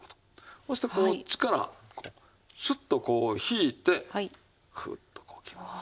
そしてこっちからスッとこう引いてクッとこう切ります。